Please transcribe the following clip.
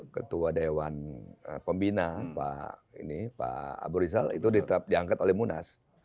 ketua dewan pembina pak abu rizal itu diangkat oleh munas